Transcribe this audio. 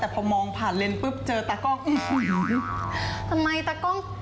แต่พอมองผ่านเลนปุ๊บเจอตากล้องโอ้โหทำไมตากล้อง